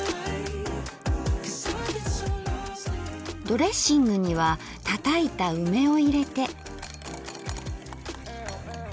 ドレッシングにはたたいた梅を入れて。